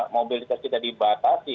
mobilitas kita dibatasi